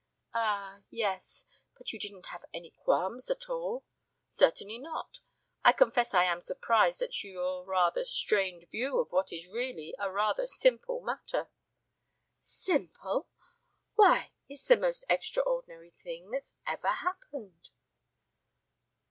"Ah yes but you didn't have any qualms at all?" "Certainly not. I confess I am surprised at your rather strained view of what is really a very simple matter." "Simple? Why, it's the most extraordinary thing that ever happened."